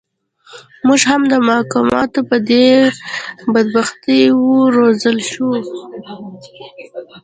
موږ هم د مقاماتو په دې بدنیتۍ و روزل شوو.